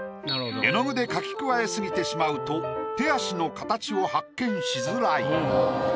絵の具で描き加えすぎてしまうと手足の形を発見しづらい。